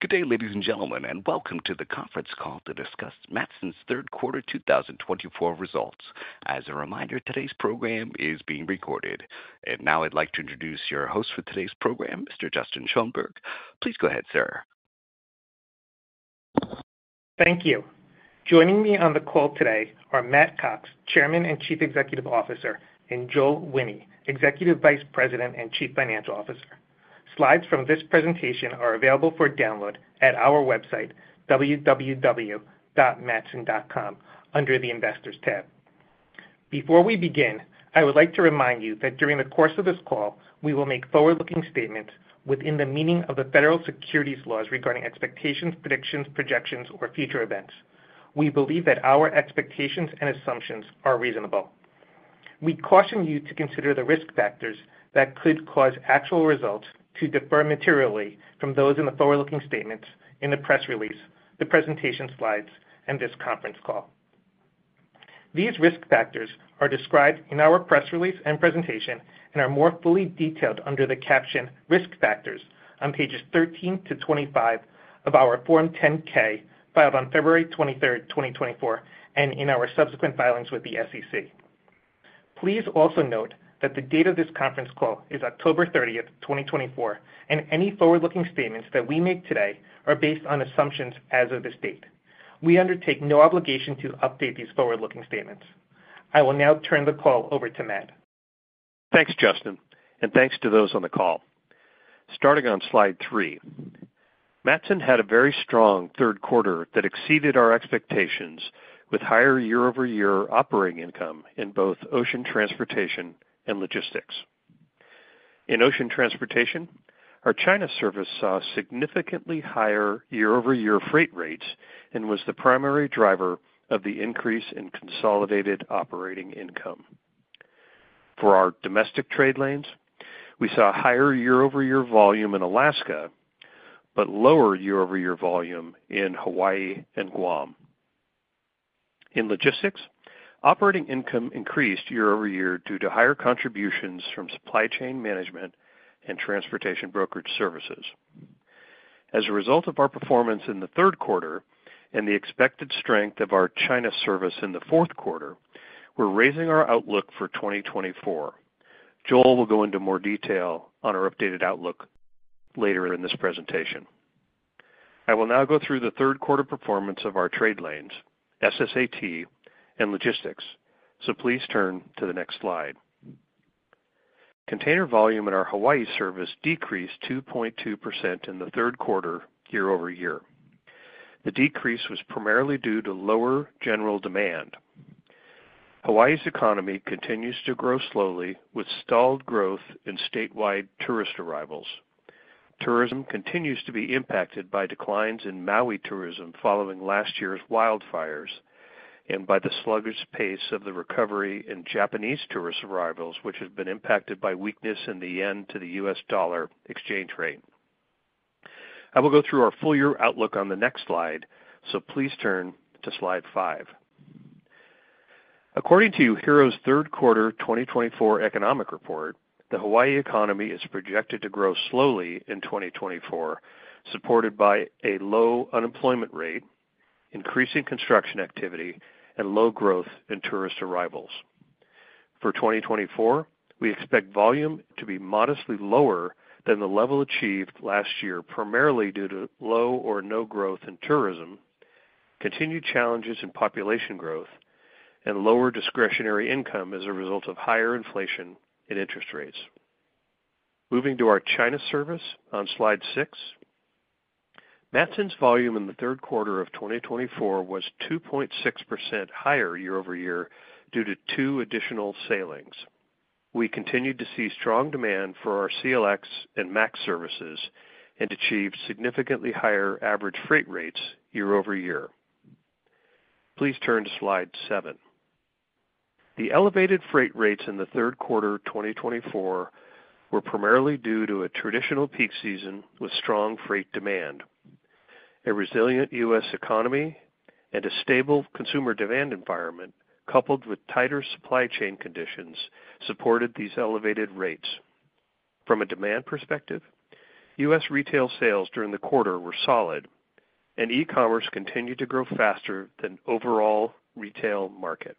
Good day, ladies and gentlemen, and welcome to the conference call to discuss Matson's Q3 2024 Results. As a reminder, today's program is being recorded. And now I'd like to introduce your host for today's program, Mr. Justin Schoen. Please go ahead, sir. Thank you. Joining me on the call today are Matt Cox, Chairman and Chief Executive Officer, and Joel Wine, Executive Vice President and Chief Financial Officer. Slides from this presentation are available for download at our website, www.matson.com, under the Investors tab. Before we begin, I would like to remind you that during the course of this call, we will make forward-looking statements within the meaning of the federal securities laws regarding expectations, predictions, projections, or future events. We believe that our expectations and assumptions are reasonable. We caution you to consider the risk factors that could cause actual results to differ materially from those in the forward-looking statements in the press release, the presentation slides, and this conference call. These risk factors are described in our press release and presentation and are more fully detailed under the caption "Risk Factors" on pages 13 to 25 of our Form 10-K filed on February 23, 2024, and in our subsequent filings with the SEC. Please also note that the date of this conference call is October 30, 2024, and any forward-looking statements that we make today are based on assumptions as of this date. We undertake no obligation to update these forward-looking statements. I will now turn the call over to Matt. Thanks, Justin, and thanks to those on the call. Starting on slide three, Matson had a very strong Q3 that exceeded our expectations with higher year-over-year operating income in both ocean transportation and logistics. In ocean transportation, our China service saw significantly higher year-over-year freight rates and was the primary driver of the increase in consolidated operating income. For our domestic trade lanes, we saw higher year-over-year volume in Alaska but lower year-over-year volume in Hawaii and Guam. In logistics, operating income increased year-over-year due to higher contributions from supply chain management and transportation brokerage services. As a result of our performance in the Q3 and the expected strength of our China service in the Q4, we're raising our outlook for 2024. Joel will go into more detail on our updated outlook later in this presentation. I will now go through the Q3 performance of our trade lanes, SSAT, and logistics, so please turn to the next slide. Container volume in our Hawaii service decreased 2.2% in the Q3 year-over-year. The decrease was primarily due to lower general demand. Hawaii's economy continues to grow slowly with stalled growth in statewide tourist arrivals. Tourism continues to be impacted by declines in Maui tourism following last year's wildfires and by the sluggish pace of the recovery in Japanese tourist arrivals, which has been impacted by weakness in the yen to the U.S. dollar exchange rate. I will go through our full-year outlook on the next slide, so please turn to slide five. According to UHERO's Q3 2024 economic report, the Hawaii economy is projected to grow slowly in 2024, supported by a low unemployment rate, increasing construction activity, and low growth in tourist arrivals. For 2024, we expect volume to be modestly lower than the level achieved last year, primarily due to low or no growth in tourism, continued challenges in population growth, and lower discretionary income as a result of higher inflation and interest rates. Moving to our China service on slide six, Matson's volume in the Q3 of 2024 was 2.6% higher year-over-year due to two additional sailings. We continued to see strong demand for our CLX and MAX services and achieved significantly higher average freight rates year-over-year. Please turn to slide seven. The elevated freight rates in the Q3 2024 were primarily due to a traditional peak season with strong freight demand. A resilient U.S. economy and a stable consumer demand environment, coupled with tighter supply chain conditions, supported these elevated rates. From a demand perspective, U.S. retail sales during the quarter were solid, and e-commerce continued to grow faster than overall retail market.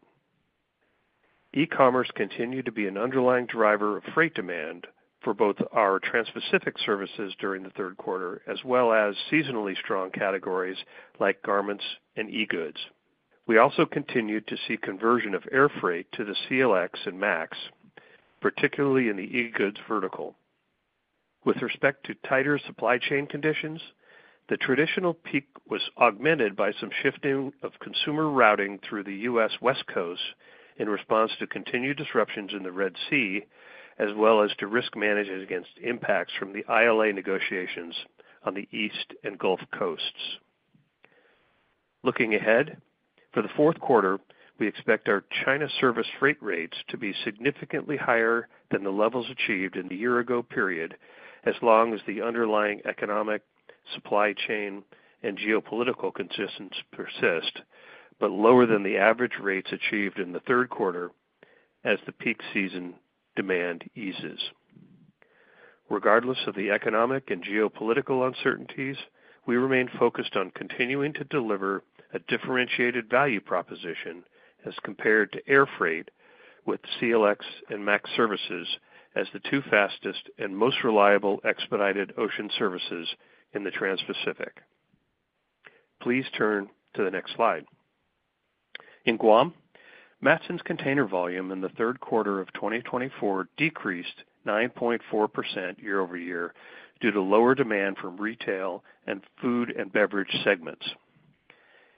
E-commerce continued to be an underlying driver of freight demand for both our Trans-Pacific services during the Q3, as well as seasonally strong categories like garments and e-goods. We also continued to see conversion of air freight to the CLX and CLX+, particularly in the e-goods vertical. With respect to tighter supply chain conditions, the traditional peak was augmented by some shifting of consumer routing through the U.S. West Coast in response to continued disruptions in the Red Sea, as well as to risk management against impacts from the ILA negotiations on the East and Gulf Coasts. Looking ahead, for the Q4, we expect our China service freight rates to be significantly higher than the levels achieved in the year-ago period, as long as the underlying economic supply chain and geopolitical consistency persist, but lower than the average rates achieved in the Q3 as the peak season demand eases. Regardless of the economic and geopolitical uncertainties, we remain focused on continuing to deliver a differentiated value proposition as compared to air freight, with CLX and CLX+ services as the two fastest and most reliable expedited ocean services in the Trans-Pacific. Please turn to the next slide. In Guam, Matson's container volume in the Q3 of 2024 decreased 9.4% year-over-year due to lower demand from retail and food and beverage segments.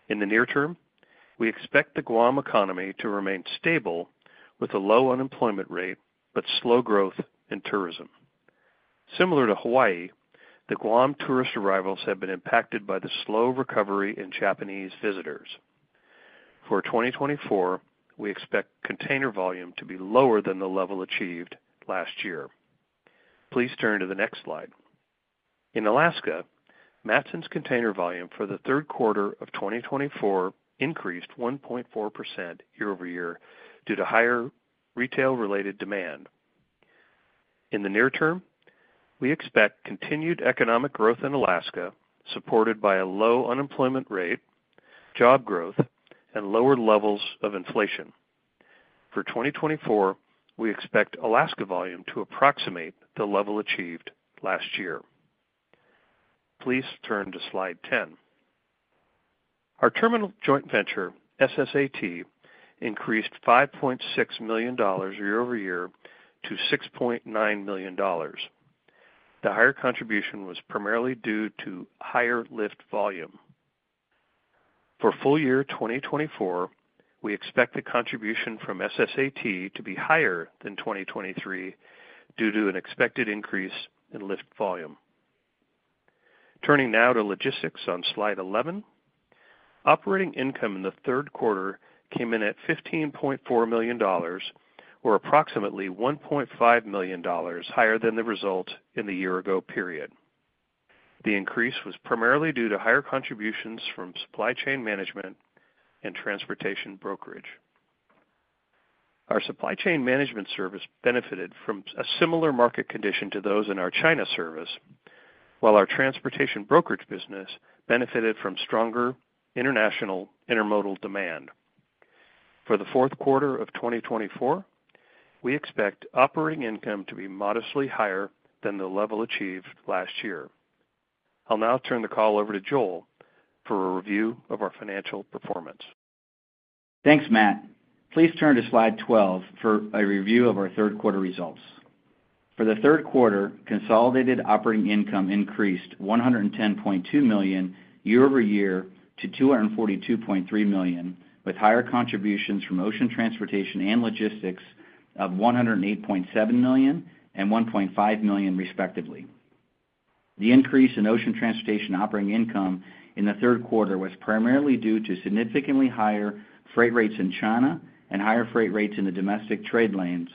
In the near term, we expect the Guam economy to remain stable with a low unemployment rate but slow growth in tourism. Similar to Hawaii, the Guam tourist arrivals have been impacted by the slow recovery in Japanese visitors. For 2024, we expect container volume to be lower than the level achieved last year. Please turn to the next slide. In Alaska, Matson's container volume for the Q3 of 2024 increased 1.4% year-over-year due to higher retail-related demand. In the near term, we expect continued economic growth in Alaska, supported by a low unemployment rate, job growth, and lower levels of inflation. For 2024, we expect Alaska volume to approximate the level achieved last year. Please turn to slide ten. Our terminal joint venture, SSAT, increased $5.6 million year-over-year to $6.9 million. The higher contribution was primarily due to higher lift volume. For full-year 2024, we expect the contribution from SSAT to be higher than 2023 due to an expected increase in lift volume. Turning now to logistics on slide 11, operating income in the Q3 came in at $15.4 million, or approximately $1.5 million higher than the result in the year-ago period. The increase was primarily due to higher contributions from supply chain management and transportation brokerage. Our supply chain management service benefited from a similar market condition to those in our China service, while our transportation brokerage business benefited from stronger international intermodal demand. For the Q4 of 2024, we expect operating income to be modestly higher than the level achieved last year. I'll now turn the call over to Joel for a review of our financial performance. Thanks, Matt. Please turn to slide 12 for a review of our Q3 results. For the Q3, consolidated operating income increased $110.2 million year-over-year to $242.3 million, with higher contributions from ocean transportation and logistics of $108.7 million and $1.5 million, respectively. The increase in ocean transportation operating income in the Q3 was primarily due to significantly higher freight rates in China and higher freight rates in the domestic trade lanes,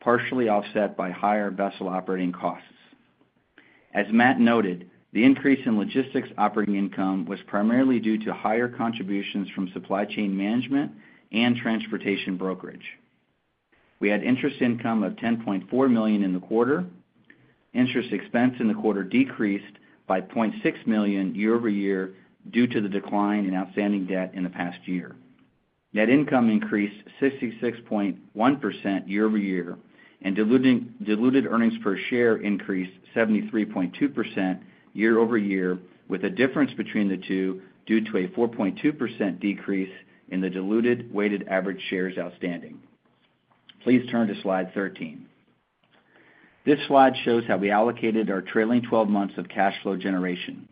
partially offset by higher vessel operating costs. As Matt noted, the increase in logistics operating income was primarily due to higher contributions from supply chain management and transportation brokerage. We had interest income of $10.4 million in the quarter. Interest expense in the quarter decreased by $0.6 million year-over-year due to the decline in outstanding debt in the past year. Net income increased 66.1% year-over-year, and diluted earnings per share increased 73.2% year-over-year, with a difference between the two due to a 4.2% decrease in the diluted weighted average shares outstanding. Please turn to slide 13. This slide shows how we allocated our trailing 12 months of cash flow generation.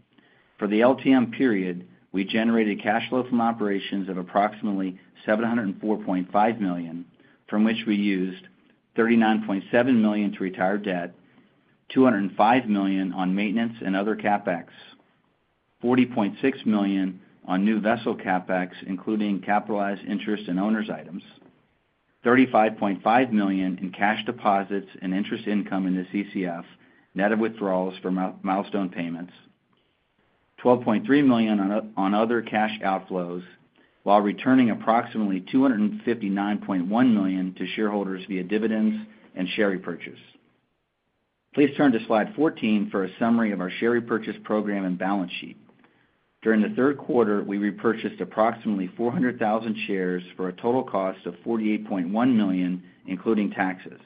For the LTM period, we generated cash flow from operations of approximately $704.5 million, from which we used $39.7 million to retire debt, $205 million on maintenance and other CapEx, $40.6 million on new vessel CapEx, including capitalized interest and owners' items, $35.5 million in cash deposits and interest income in the CCF, net of withdrawals from milestone payments, $12.3 million on other cash outflows, while returning approximately $259.1 million to shareholders via dividends and share repurchase. Please turn to slide 14 for a summary of our share repurchase program and balance sheet. During the Q3, we repurchased approximately 400,000 shares for a total cost of $48.1 million, including taxes.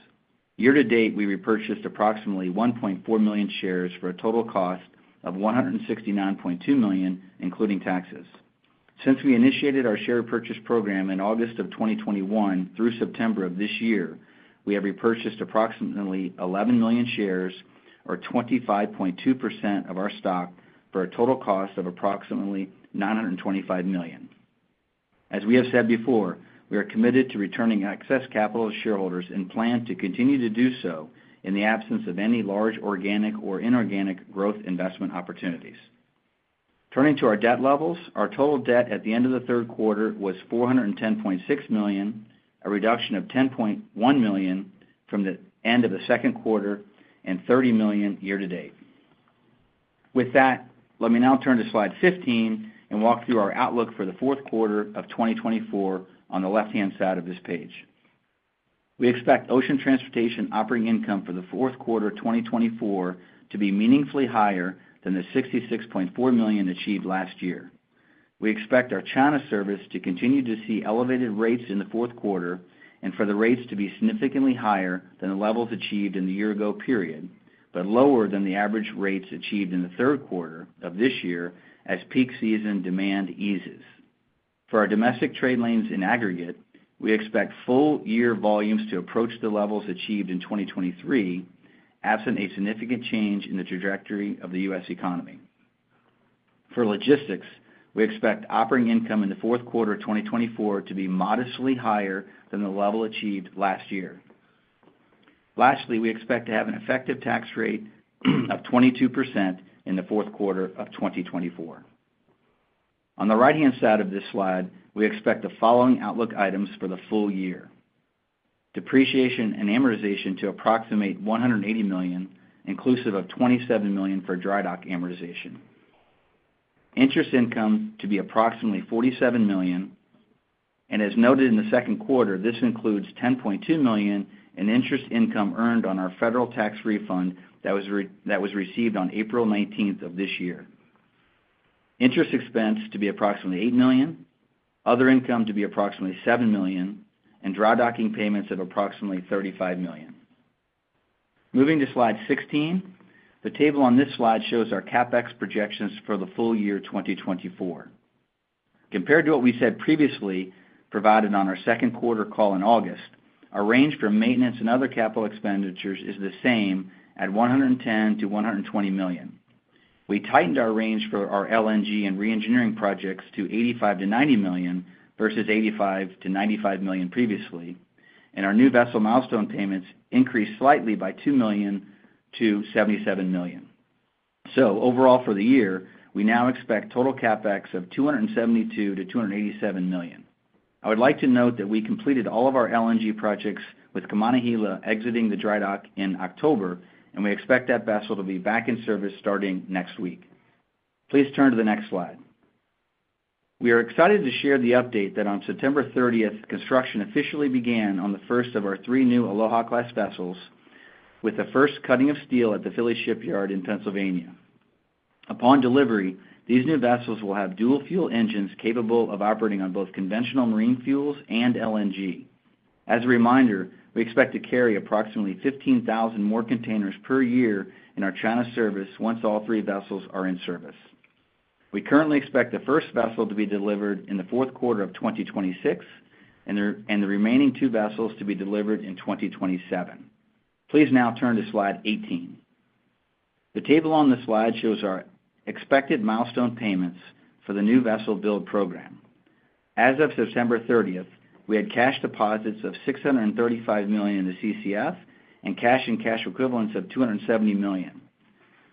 Year-to-date, we repurchased approximately 1.4 million shares for a total cost of $169.2 million, including taxes. Since we initiated our share repurchase program in August of 2021 through September of this year, we have repurchased approximately 11 million shares, or 25.2% of our stock, for a total cost of approximately $925 million. As we have said before, we are committed to returning excess capital to shareholders and plan to continue to do so in the absence of any large organic or inorganic growth investment opportunities. Turning to our debt levels, our total debt at the end of the Q3 was $410.6 million, a reduction of $10.1 million from the end of the Q2 and $30 million year-to-date. With that, let me now turn to slide 15 and walk through our outlook for the Q4 of 2024 on the left-hand side of this page. We expect ocean transportation operating income for the Q4 2024 to be meaningfully higher than the $66.4 million achieved last year. We expect our China service to continue to see elevated rates in the Q4 and for the rates to be significantly higher than the levels achieved in the year-ago period, but lower than the average rates achieved in the Q3 of this year as peak season demand eases. For our domestic trade lanes in aggregate, we expect full-year volumes to approach the levels achieved in 2023, absent a significant change in the trajectory of the US economy. For logistics, we expect operating income in the Q4 of 2024 to be modestly higher than the level achieved last year. Lastly, we expect to have an effective tax rate of 22% in the Q4 of 2024. On the right-hand side of this slide, we expect the following outlook items for the full year. Depreciation and amortization to approximate $180 million, inclusive of $27 million for dry dock amortization. Interest income to be approximately $47 million. And as noted in the Q2, this includes $10.2 million in interest income earned on our federal tax refund that was received on April 19th of this year. Interest expense to be approximately $8 million. Other income to be approximately $7 million. And dry docking payments of approximately $35 million. Moving to slide 16, the table on this slide shows our CapEx projections for the full year 2024. Compared to what we said previously, provided on our Q2 call in August, our range for maintenance and other capital expenditures is the same at $110 million-$120 million. We tightened our range for our LNG and reengineering projects to $85 million-$90 million versus $85 million-$95 million previously, and our new vessel milestone payments increased slightly by $2 million to $77 million, so overall for the year, we now expect total CapEx of $272 million-$287 million. I would like to note that we completed all of our LNG projects with Kaimana Hila exiting the dry dock in October, and we expect that vessel to be back in service starting next week. Please turn to the next slide. We are excited to share the update that on September 30th, construction officially began on the first of our three new Aloha-class vessels, with the first cutting of steel at the Philly Shipyard in Pennsylvania. Upon delivery, these new vessels will have dual-fuel engines capable of operating on both conventional marine fuels and LNG. As a reminder, we expect to carry approximately 15,000 more containers per year in our China service once all three vessels are in service. We currently expect the first vessel to be delivered in the Q4 of 2026 and the remaining two vessels to be delivered in 2027. Please now turn to slide 18. The table on the slide shows our expected milestone payments for the new vessel build program. As of September 30th, we had cash deposits of $635 million in the CCF and cash and cash equivalents of $270 million.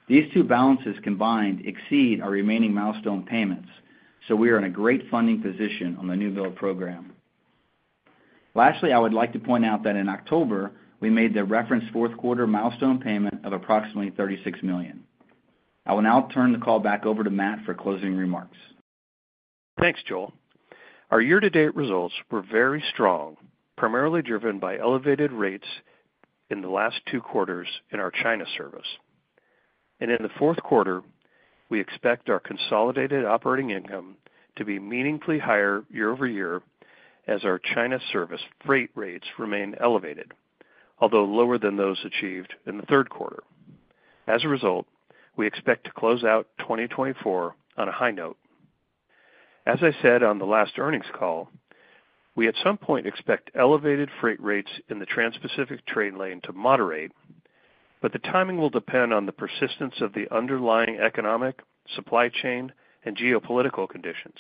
These two balances combined exceed our remaining milestone payments, so we are in a great funding position on the new build program. Lastly, I would like to point out that in October, we made the reference Q4 milestone payment of approximately $36 million. I will now turn the call back over to Matt for closing remarks. Thanks, Joel. Our year-to-date results were very strong, primarily driven by elevated rates in the last two quarters in our China service. And in the Q4, we expect our consolidated operating income to be meaningfully higher year-over-year as our China service freight rates remain elevated, although lower than those achieved in the Q3. As a result, we expect to close out 2024 on a high note. As I said on the last earnings call, we at some point expect elevated freight rates in the Trans-Pacific trade lane to moderate, but the timing will depend on the persistence of the underlying economic, supply chain, and geopolitical conditions.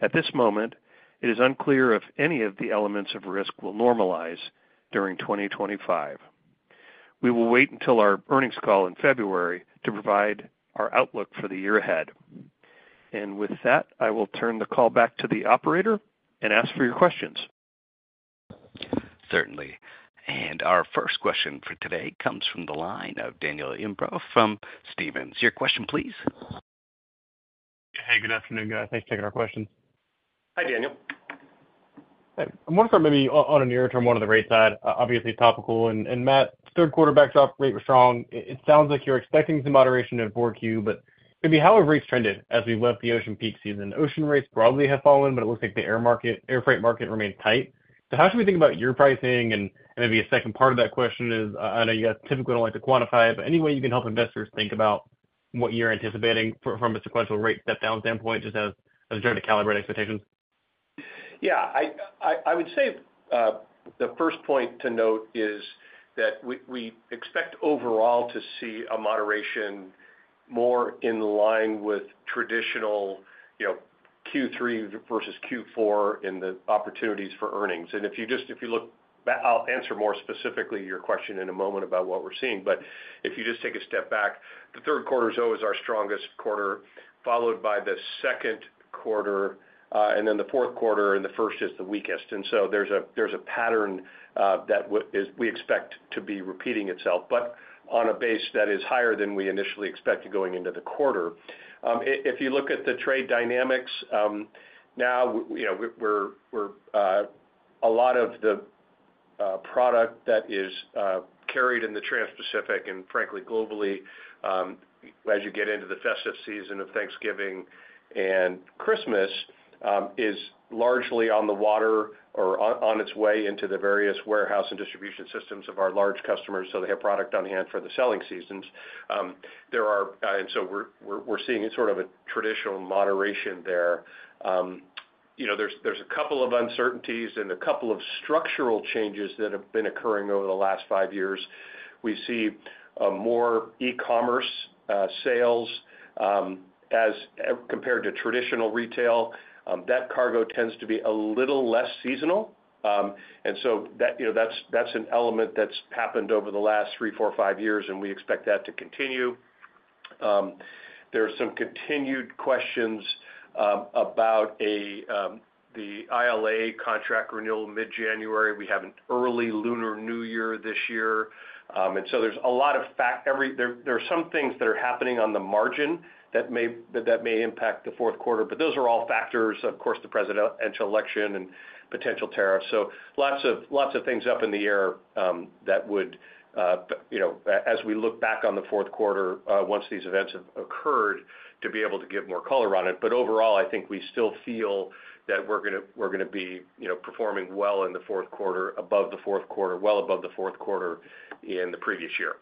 At this moment, it is unclear if any of the elements of risk will normalize during 2025. We will wait until our earnings call in February to provide our outlook for the year ahead. With that, I will turn the call back to the operator and ask for your questions. Certainly. And our first question for today comes from the line of Daniel Imbro from Stephens. Your question, please. Hey, good afternoon, guys. Thanks for taking our questions. Hi, Daniel. I'm wondering if there may be a near-term one on the rate side, obviously topical. And Matt, Q3 spot rate was strong. It sounds like you're expecting some moderation in 4Q, but maybe how have rates trended as we left the ocean peak season? Ocean rates probably have fallen, but it looks like the air freight market remains tight. So how should we think about your pricing? And maybe a second part of that question is, I know you guys typically don't like to quantify it, but any way you can help investors think about what you're anticipating from a sequential rate step-down standpoint, just as a way to calibrate expectations? Yeah. I would say the first point to note is that we expect overall to see a moderation more in line with traditional Q3 versus Q4 in the opportunities for earnings. And if you look back, I'll answer more specifically your question in a moment about what we're seeing. But if you just take a step back, the Q3 is always our strongest quarter, followed by the Q2, and then the Q4, and the first is the weakest. And so there's a pattern that we expect to be repeating itself, but on a base that is higher than we initially expected going into the quarter. If you look at the trade dynamics now, a lot of the product that is carried in the Trans-Pacific and frankly globally, as you get into the festive season of Thanksgiving and Christmas, is largely on the water or on its way into the various warehouse and distribution systems of our large customers so they have product on hand for the selling seasons, and so we're seeing sort of a traditional moderation there. There's a couple of uncertainties and a couple of structural changes that have been occurring over the last five years. We see more e-commerce sales as compared to traditional retail. That cargo tends to be a little less seasonal, and so that's an element that's happened over the last three, four, five years, and we expect that to continue. There's some continued questions about the ILA contract renewal mid-January. We have an early Lunar New Year this year, and so there's a lot of factors. There are some things that are happening on the margin that may impact the Q4, but those are all factors, of course, the presidential election and potential tariffs. Lots of things are up in the air that would, as we look back on the Q4 once these events have occurred, allow us to be able to give more color on it. Overall, I think we still feel that we're going to be performing well in the Q4, well above the Q4 in the previous year.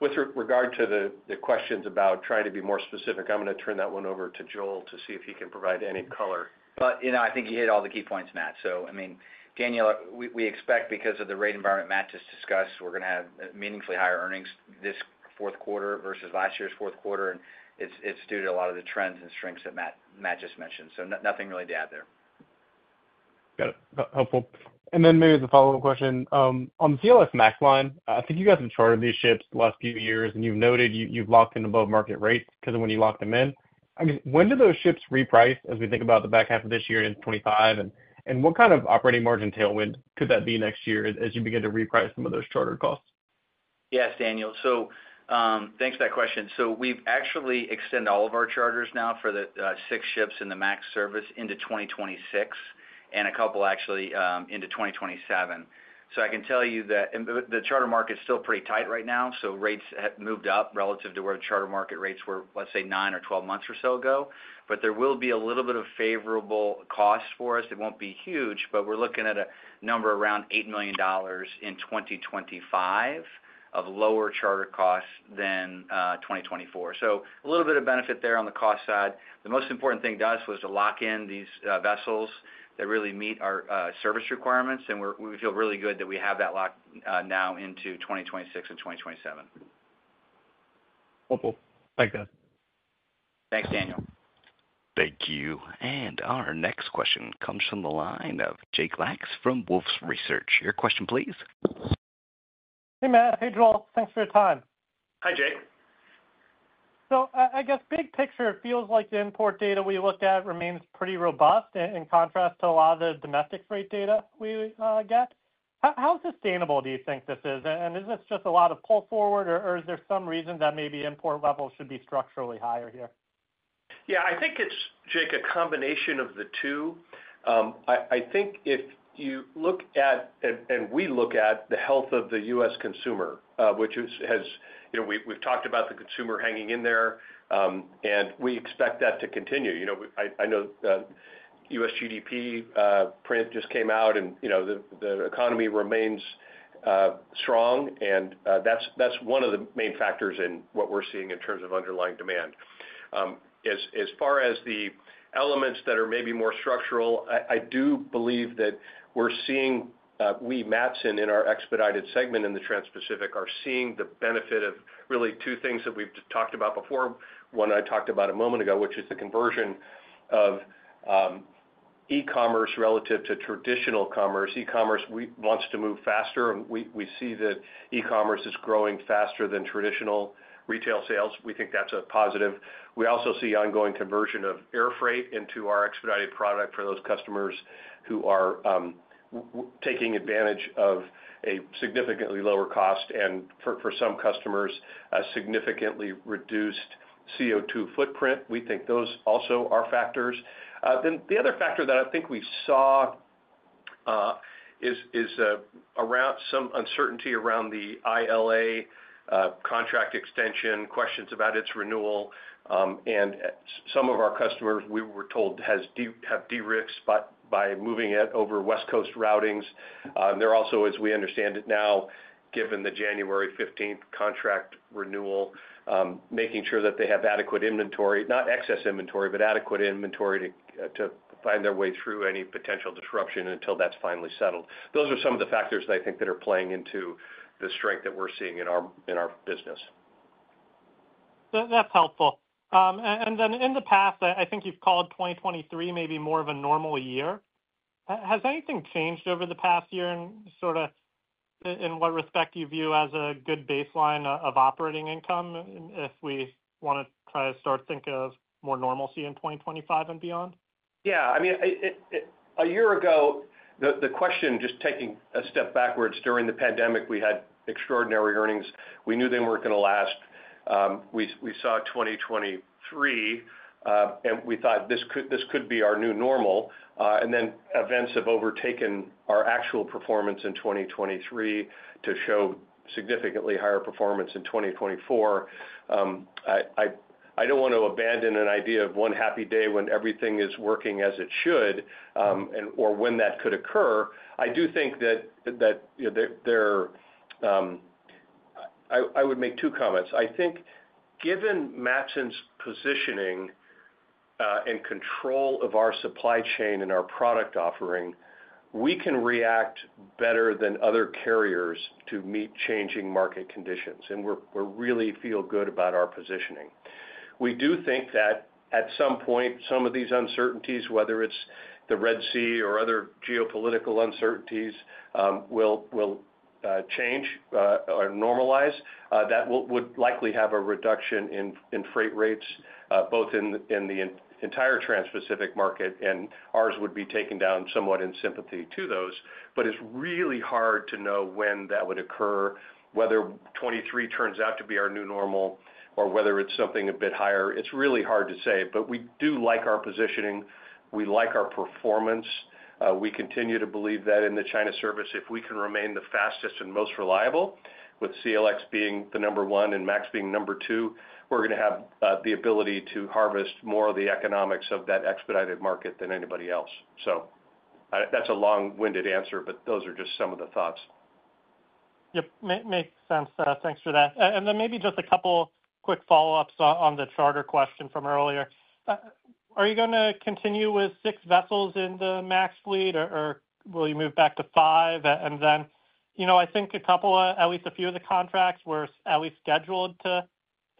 With regard to the questions about trying to be more specific, I'm going to turn that one over to Joel to see if he can provide any color. But I think you hit all the key points, Matt. So I mean, Daniel, we expect because of the rate environment Matt just discussed, we're going to have meaningfully higher earnings this Q4 versus last year's Q4. And it's due to a lot of the trends and strengths that Matt just mentioned. So nothing really to add there. Got it. Helpful. And then maybe the follow-up question. On the CLX MAX line, I think you guys have chartered these ships the last few years, and you've noted you've locked in above-market rates because of when you locked them in. When do those ships reprice as we think about the back half of this year in 2025? And what kind of operating margin tailwind could that be next year as you begin to reprice some of those charter costs? Yes, Daniel, so thanks for that question, so we've actually extended all of our charters now for the six ships in the MAX service into 2026 and a couple actually into 2027. I can tell you that the charter market's still pretty tight right now, so rates have moved up relative to where the charter market rates were, let's say, nine or 12 months or so ago. But there will be a little bit of favorable cost for us. It won't be huge, but we're looking at a number around $8 million in 2025 of lower charter costs than 2024, so a little bit of benefit there on the cost side. The most important thing to us was to lock in these vessels that really meet our service requirements, and we feel really good that we have that locked now into 2026 and 2027. Helpful. Thanks, guys. Thanks, Daniel. Thank you. And our next question comes from the line of Jake Lacks from Wolfe Research. Your question, please. Hey, Matt. Hey, Joel. Thanks for your time. Hi, Jake. I guess big picture, it feels like the import data we looked at remains pretty robust in contrast to a lot of the domestic freight data we get. How sustainable do you think this is? And is this just a lot of pull forward, or is there some reason that maybe import levels should be structurally higher here? Yeah, I think it's, Jake, a combination of the two. I think if you look at, and we look at the health of the U.S. consumer, which, as we've talked about, the consumer hanging in there, and we expect that to continue. I know U.S. GDP print just came out, and the economy remains strong, and that's one of the main factors in what we're seeing in terms of underlying demand. As far as the elements that are maybe more structural, I do believe that we're seeing, Matson in our expedited segment in the Trans-Pacific, are seeing the benefit of really two things that we've talked about before. One I talked about a moment ago, which is the conversion of E-commerce relative to traditional commerce. E-commerce wants to move faster. We see that E-commerce is growing faster than traditional retail sales. We think that's a positive. We also see ongoing conversion of air freight into our expedited product for those customers who are taking advantage of a significantly lower cost and, for some customers, a significantly reduced CO2 footprint. We think those also are factors. Then the other factor that I think we saw is some uncertainty around the ILA contract extension, questions about its renewal, and some of our customers, we were told, have de-risked by moving it over West Coast routings. There also, as we understand it now, given the January 15th contract renewal, making sure that they have adequate inventory, not excess inventory, but adequate inventory to find their way through any potential disruption until that's finally settled. Those are some of the factors that I think that are playing into the strength that we're seeing in our business. That's helpful, and then in the past, I think you've called 2023 maybe more of a normal year. Has anything changed over the past year in sort of what respect you view as a good baseline of operating income if we want to try to start thinking of more normalcy in 2025 and beyond? Yeah. I mean, a year ago, the question, just taking a step backwards, during the pandemic, we had extraordinary earnings. We knew they weren't going to last. We saw 2023, and we thought this could be our new normal. And then events have overtaken our actual performance in 2023 to show significantly higher performance in 2024. I don't want to abandon an idea of one happy day when everything is working as it should or when that could occur. I do think that there are. I would make two comments. I think given Matson's positioning and control of our supply chain and our product offering, we can react better than other carriers to meet changing market conditions. And we really feel good about our positioning. We do think that at some point, some of these uncertainties, whether it's the Red Sea or other geopolitical uncertainties, will change or normalize. That would likely have a reduction in freight rates, both in the entire Trans-Pacific market, and ours would be taken down somewhat in sympathy to those. But it's really hard to know when that would occur, whether 2023 turns out to be our new normal or whether it's something a bit higher. It's really hard to say. But we do like our positioning. We like our performance. We continue to believe that in the China service, if we can remain the fastest and most reliable, with CLX being the number one and CLX+ being number two, we're going to have the ability to harvest more of the economics of that expedited market than anybody else. So that's a long-winded answer, but those are just some of the thoughts. Yep. Makes sense. Thanks for that. And then maybe just a couple quick follow-ups on the charter question from earlier. Are you going to continue with six vessels in the MAX fleet, or will you move back to five? And then I think a couple, at least a few of the contracts were at least scheduled to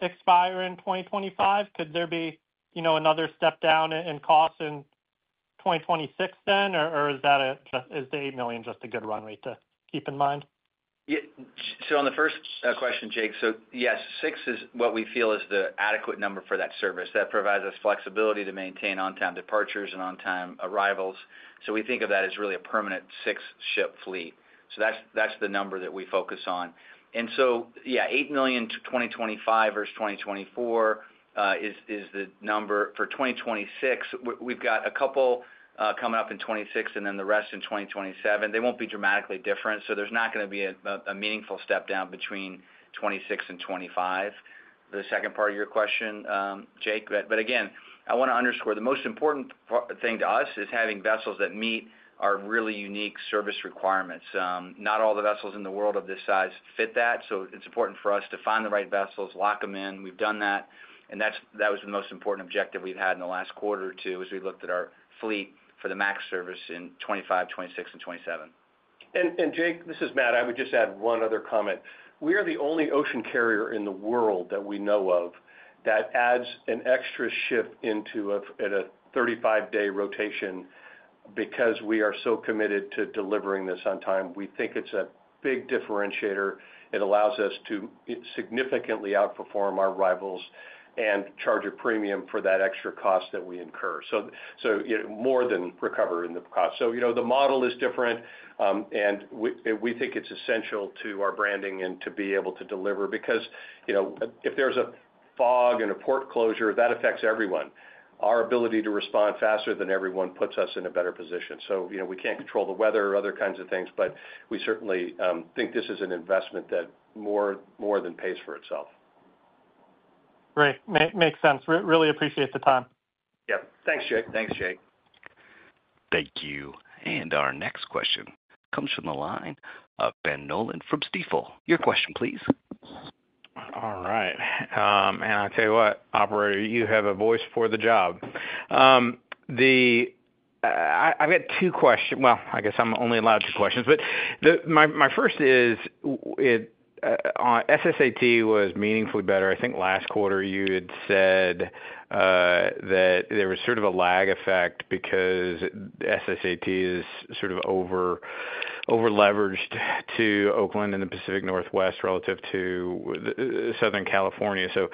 expire in 2025. Could there be another step down in cost in 2026 then, or is the $8 million just a good run rate to keep in mind? On the first question, Jake, so yes, six is what we feel is the adequate number for that service. That provides us flexibility to maintain on-time departures and on-time arrivals. We think of that as really a permanent six-ship fleet. That's the number that we focus on, and so, yeah, $8 million to 2025 versus 2024 is the number for 2026. We've got a couple coming up in 2026 and then the rest in 2027. They won't be dramatically different. There's not going to be a meaningful step down between 2026 and 2025. The second part of your question, Jake, but again, I want to underscore the most important thing to us is having vessels that meet our really unique service requirements. Not all the vessels in the world of this size fit that It's important for us to find the right vessels, lock them in. We've done that. And that was the most important objective we've had in the last quarter or two as we looked at our fleet for the MAX service in 2025, 2026, and 2027. Jake, this is Matt. I would just add one other comment. We are the only ocean carrier in the world that we know of that adds an extra ship into a 35-day rotation because we are so committed to delivering this on time. We think it's a big differentiator. It allows us to significantly outperform our rivals and charge a premium for that extra cost that we incur. So more than recover in the cost. So the model is different, and we think it's essential to our branding and to be able to deliver because if there's a fog and a port closure, that affects everyone. Our ability to respond faster than everyone puts us in a better position. So we can't control the weather or other kinds of things, but we certainly think this is an investment that more than pays for itself. Great. Makes sense. Really appreciate the time. Yep. Thanks, Jake. Thanks, Jake. Thank you, and our next question comes from the line of Ben Nolan from Stifel. Your question, please. All right. And I'll tell you what, operator, you have a voice for the job. I've got two questions. Well, I guess I'm only allowed two questions. But my first is, SSAT was meaningfully better. I think last quarter you had said that there was sort of a lag effect because SSAT is sort of over-leveraged to Oakland and the Pacific Northwest relative to Southern California. So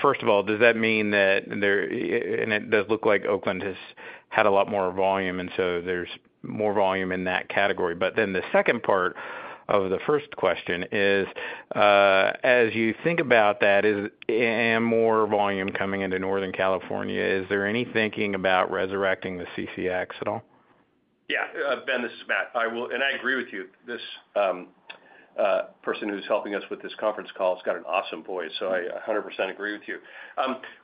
first of all, does that mean that there, and it does look like Oakland has had a lot more volume, and so there's more volume in that category. But then the second part of the first question is, as you think about that, is more volume coming into Northern California. Is there any thinking about resurrecting the CCX at all? Yeah. Ben, this is Matt. And I agree with you. This person who's helping us with this conference call has got an awesome voice. So I 100% agree with you.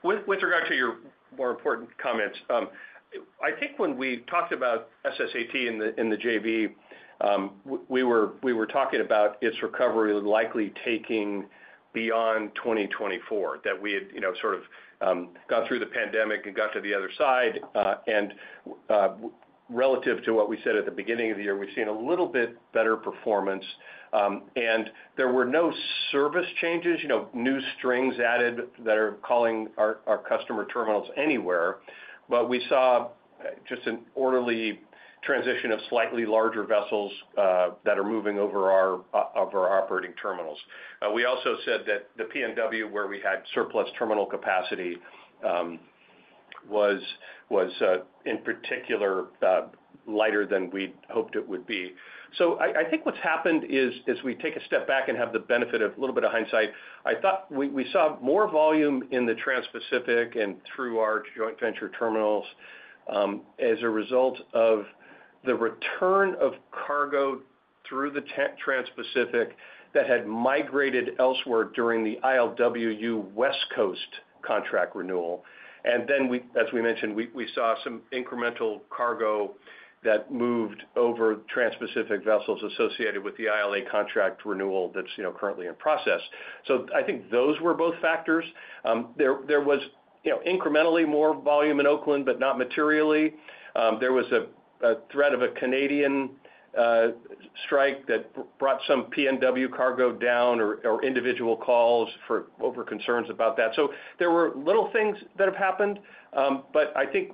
With regard to your more important comments, I think when we talked about SSAT in the JV, we were talking about its recovery likely taking beyond 2024, that we had sort of gone through the pandemic and got to the other side. And relative to what we said at the beginning of the year, we've seen a little bit better performance. And there were no service changes, new strings added that are calling our customer terminals anywhere. But we saw just an orderly transition of slightly larger vessels that are moving over our operating terminals. We also said that the PNW, where we had surplus terminal capacity, was in particular lighter than we'd hoped it would be. So I think what's happened is, as we take a step back and have the benefit of a little bit of hindsight, I thought we saw more volume in the Trans-Pacific and through our joint venture terminals as a result of the return of cargo through the Trans-Pacific that had migrated elsewhere during the ILWU West Coast contract renewal. And then, as we mentioned, we saw some incremental cargo that moved over Trans-Pacific vessels associated with the ILA contract renewal that's currently in process. So I think those were both factors. There was incrementally more volume in Oakland, but not materially. There was a threat of a Canadian strike that brought some PNW cargo down or individual calls over concerns about that. So there were little things that have happened. But I think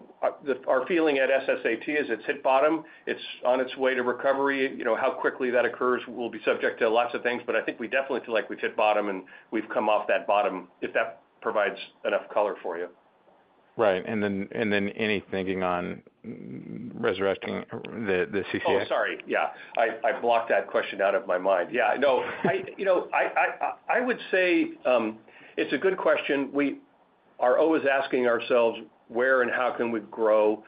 our feeling at SSAT is it's hit bottom. It's on its way to recovery. How quickly that occurs will be subject to lots of things. But I think we definitely feel like we've hit bottom and we've come off that bottom, if that provides enough color for you. Right. And then any thinking on resurrecting the CCX? Oh, sorry. Yeah. I blocked that question out of my mind. Yeah. No, I would say it's a good question. We are always asking ourselves where and how can we grow,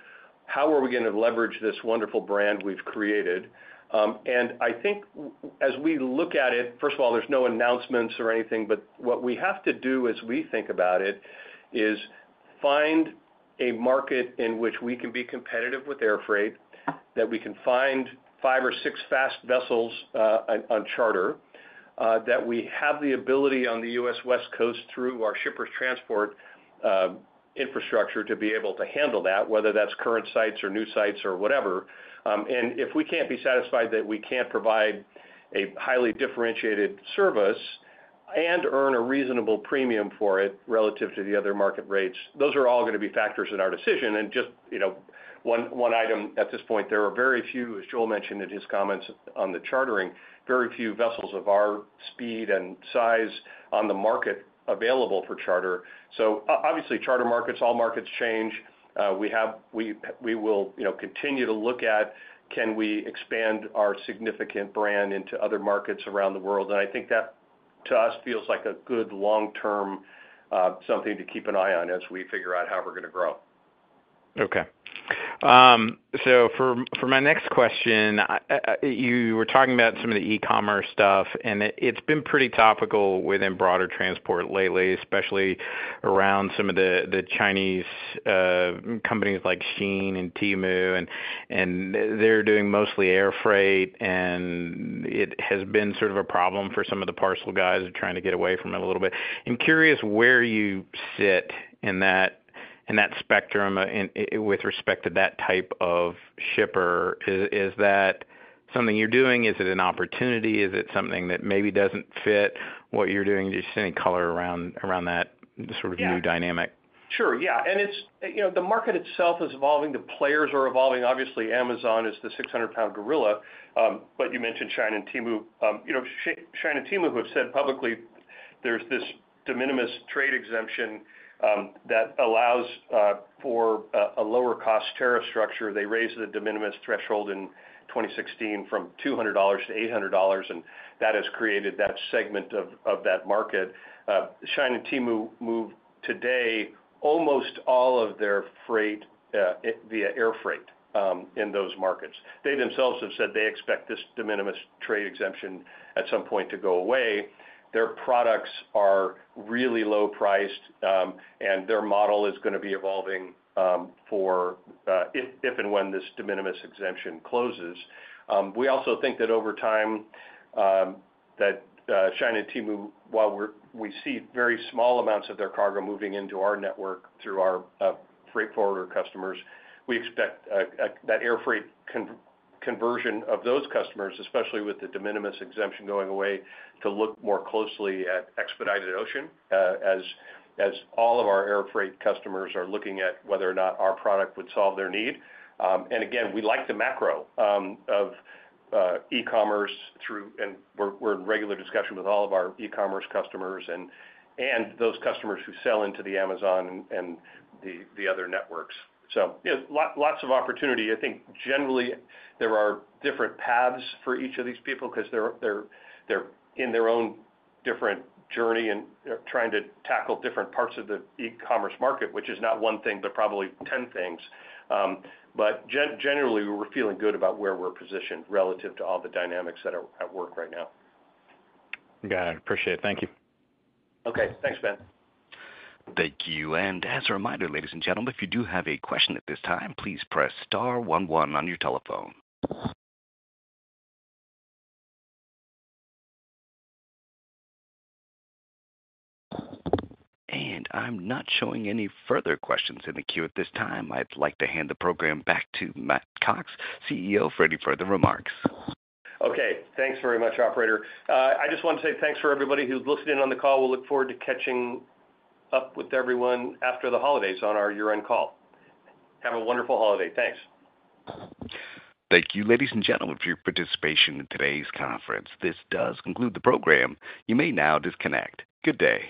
how are we going to leverage this wonderful brand we've created. And I think as we look at it, first of all, there's no announcements or anything. But what we have to do as we think about it is find a market in which we can be competitive with air freight, that we can find five or six fast vessels on charter, that we have the ability on the U.S. West Coast through our Shippers Transport infrastructure to be able to handle that, whether that's current sites or new sites or whatever. And if we can't be satisfied that we can't provide a highly differentiated service and earn a reasonable premium for it relative to the other market rates, those are all going to be factors in our decision. And just one item at this point, there are very few, as Joel mentioned in his comments on the chartering, very few vessels of our speed and size on the market available for charter. So obviously, charter markets, all markets change. We will continue to look at can we expand our significant brand into other markets around the world. And I think that, to us, feels like a good long-term something to keep an eye on as we figure out how we're going to grow. Okay. So for my next question, you were talking about some of the e-commerce stuff. And it's been pretty topical within broader transport lately, especially around some of the Chinese companies like Shein and Temu. And they're doing mostly air freight. And it has been sort of a problem for some of the parcel guys trying to get away from it a little bit. I'm curious where you sit in that spectrum with respect to that type of shipper. Is that something you're doing? Is it an opportunity? Is it something that maybe doesn't fit what you're doing? Just any color around that sort of new dynamic? Sure. Yeah, and the market itself is evolving. The players are evolving. Obviously, Amazon is the 600-pound gorilla, but you mentioned Shein and Temu. Shein and Temu have said publicly there's this de minimis trade exemption that allows for a lower-cost tariff structure. They raised the de minimis threshold in 2016 from $200-$800, and that has created that segment of that market. Shein and Temu move today almost all of their freight via air freight in those markets. They themselves have said they expect this de minimis trade exemption at some point to go away. Their products are really low-priced, and their model is going to be evolving if and when this de minimis exemption closes. We also think that over time, that China and Temu, while we see very small amounts of their cargo moving into our network through our freight forwarder customers, we expect that air freight conversion of those customers, especially with the de minimis exemption going away, to look more closely at expedited ocean as all of our air freight customers are looking at whether or not our product would solve their need, and again, we like the macro of e-commerce through, and we're in regular discussion with all of our e-commerce customers and those customers who sell into the Amazon and the other networks, so lots of opportunity. I think generally there are different paths for each of these people because they're in their own different journey and trying to tackle different parts of the e-commerce market, which is not one thing, but probably 10 things. Generally, we're feeling good about where we're positioned relative to all the dynamics that are at work right now. Got it. Appreciate it. Thank you. Okay. Thanks, Ben. Thank you. And as a reminder, ladies and gentlemen, if you do have a question at this time, please press star 11 on your telephone. And I'm not showing any further questions in the queue at this time. I'd like to hand the program back to Matt Cox, CEO, for any further remarks. Okay. Thanks very much, operator. I just want to say thanks for everybody who's listening on the call. We'll look forward to catching up with everyone after the holidays on our year-end call. Have a wonderful holiday. Thanks. Thank you, ladies and gentlemen, for your participation in today's conference. This does conclude the program. You may now disconnect. Good day.